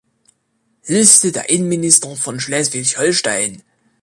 Liste der Innenminister von Schleswig-Holstein